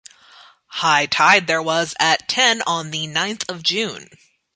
High tide there was at ten on the ninth of June.